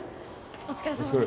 お疲れさまです